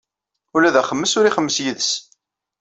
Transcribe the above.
Ula d axemmes ur ixemmes yid-s.